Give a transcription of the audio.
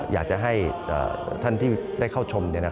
อยากจะให้ท่านที่ได้เข้าชม